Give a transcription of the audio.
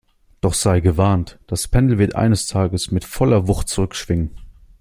Doch sei gewarnt, das Pendel wird eines Tages mit voller Wucht zurückschwingen!